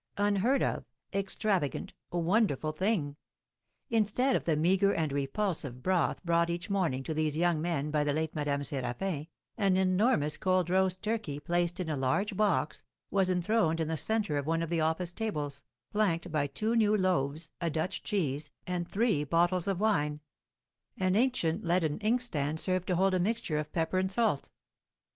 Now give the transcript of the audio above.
Unheard of, extravagant, wonderful thing! Instead of the meagre and repulsive broth brought each morning to these young men by the late Madame Séraphin, an enormous cold roast turkey, placed in a large box, was enthroned in the centre of one of the office tables, flanked by two new loaves, a Dutch cheese, and three bottles of wine; an ancient leaden inkstand served to hold a mixture of pepper and salt.